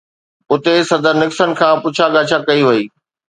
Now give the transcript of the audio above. اتي صدر نڪسن کان پڇا ڳاڇا ڪئي وئي.